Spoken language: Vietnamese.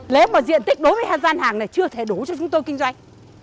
lấy một diện tích đối với gian hàng này chưa thể đủ cho chúng tôi kinh doanh